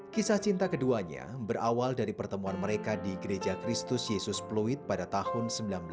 kisah cinta keduanya berawal dari pertemuan mereka di gereja kristus yesus pluit pada tahun seribu sembilan ratus sembilan puluh